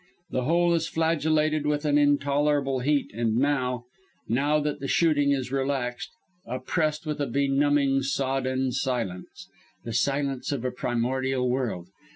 The whole is flagellated with an intolerable heat and now that the shooting is relaxed oppressed with a benumbing, sodden silence the silence of a primordial world.